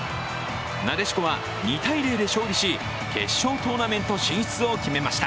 なでしこは２−０で勝利し、決勝トーナメント進出を決めました。